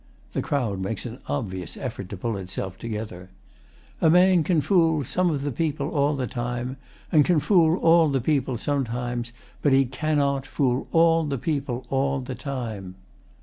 [The crowd makes an obvious effort to pull itself together.] A man can fool Some of the people all the time, and can Fool all the people sometimes, but he cannot Fool ALL the people ALL the time.